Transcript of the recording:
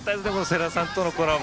世良さんとのコラボ。